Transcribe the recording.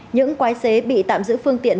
những quái xế bị tạm giữ phương tiện